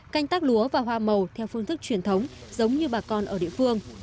canh tác lúa và hoa màu theo phương thức truyền thống giống như bà con ở địa phương